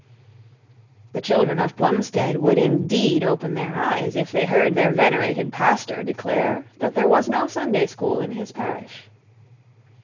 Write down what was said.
The children of Plumstead would indeed open their eyes if they heard their venerated pastor declare that there were no Sunday schools in the parish.